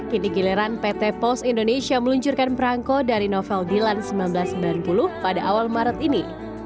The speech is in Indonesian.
kini giliran pt pos indonesia meluncurkan perangko dari novel dilan seribu sembilan ratus sembilan puluh pada awal maret ini